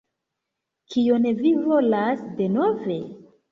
Kion vi volas denove?